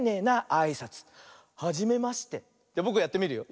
じゃぼくがやってみるよ。